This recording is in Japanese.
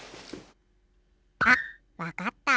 あっわかった。